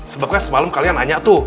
sebabnya semalam kalian nanya tuh